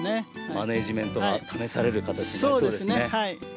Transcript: マネジメントが試される形になりそうですね。